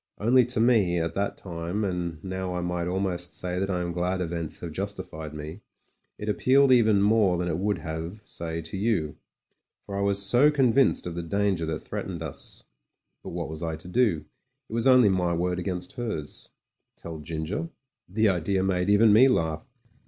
Only to me, at that time — ^and now I might almost say that I am glad events have justified me — ^it ap pealed even more than it would have, say, to you. For I was so convinced of the danger that threatened us. But what was I to do? It was only my word against hers. Tell Ginger? The idea made even me laugh.